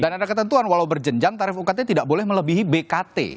dan ada ketentuan walau berjenjang tarif ukt tidak boleh melebihi bkt